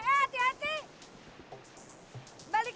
orang biasa makan si ibu sama aku